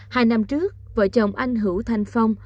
hai năm trước vợ chồng anh hữu thanh phong